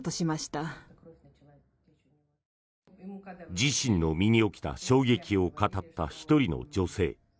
自身の身に起きた衝撃を語った１人の女性。